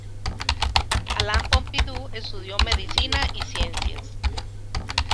Alain Pompidou estudió medicina y ciencias.